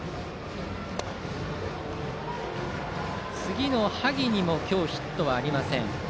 次の萩にも今日、ヒットはありません。